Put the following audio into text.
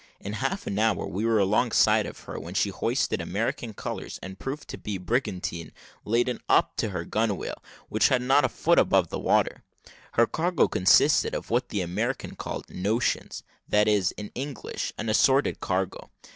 In half an hour we were alongside of her, when she hoisted American colours, and proved to be a brigantine laden up to her gunwale, which was not above a foot out of the water. Her cargo consisted of what the Americans called notions; that is, in English, an assorted cargo.